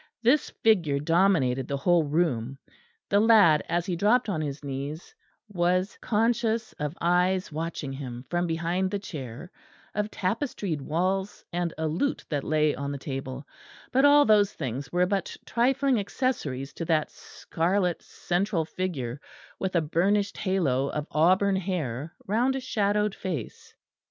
This figure dominated the whole room: the lad as he dropped on his knees, was conscious of eyes watching him from behind the chair, of tapestried walls, and a lute that lay on the table, but all those things were but trifling accessories to that scarlet central figure with a burnished halo of auburn hair round a shadowed face.